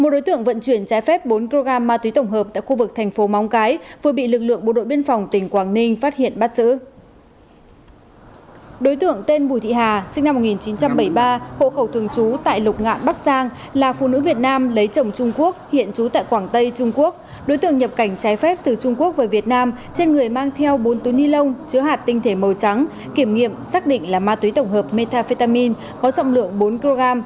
đối tượng nhập cảnh trái phép từ trung quốc về việt nam trên người mang theo bốn túi ni lông chứa hạt tinh thể màu trắng kiểm nghiệm xác định là ma túy tổng hợp metafetamin có trọng lượng bốn kg